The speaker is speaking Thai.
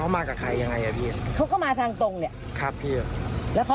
ไม่ไกลค่ะบ้านอยู่ใกล้ใกล้ค่ะ